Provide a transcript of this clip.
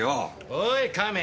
おい亀！